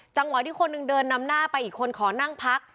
จังหวะที่คนหนึ่งเดินนำหน้าไปอีกคนขอนั่งพัก